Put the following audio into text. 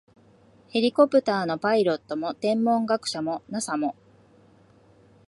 ヘリコプターのパイロットも、天文学者も、ＮＡＳＡ も、